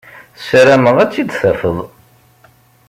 Sarameɣ ad tt-id-tafeḍ.